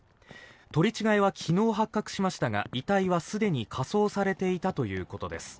取り違えは昨日発覚しましたが遺体はすでに火葬されていたということです。